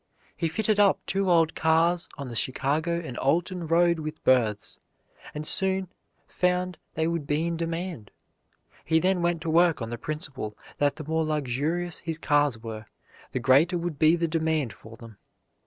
He fitted up two old cars on the Chicago and Alton road with berths, and soon found they would be in demand. He then went to work on the principle that the more luxurious his cars were, the greater would be the demand for them.